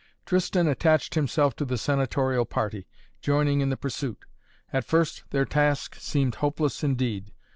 Tristan attached himself to the senatorial party, joining in the pursuit. At first their task seemed hopeless indeed.